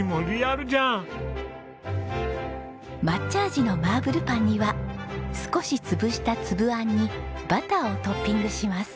抹茶味のマーブルパンには少し潰した粒あんにバターをトッピングします。